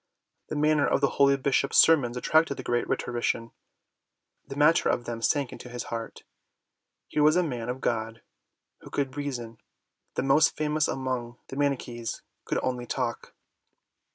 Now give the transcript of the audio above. The manner of the holy Bishop's sermons attracted the great Rhetorician: the matter of them sank into his heart. Here was a man of God who could reason : the most famous among the Manichees could only talk.